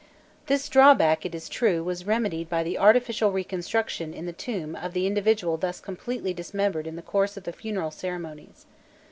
This drawback, it is true, was remedied by the artificial reconstruction in the tomb of the individual thus completely dismembered in the course of the funeral ceremonies.